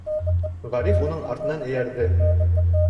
Ғариф уның артынан эйәрҙе.